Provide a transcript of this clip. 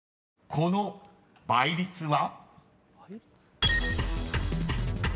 ［この倍率は？］